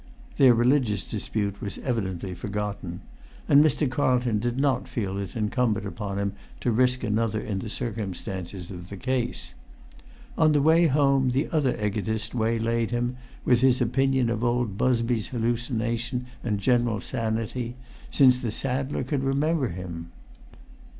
Their religious dispute was evidently forgotten, and Mr. Carlton did not feel it incumbent upon him to risk another in the circumstances of the case. On the way home the other egotist waylaid him, with his opinion of old Busby's hallucination and general sanity since the saddler could remember him.